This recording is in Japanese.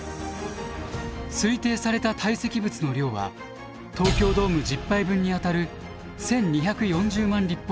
推定された堆積物の量は東京ドーム１０杯分にあたる１，２４０万。